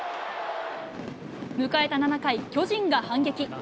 迎えた７回、巨人が反撃。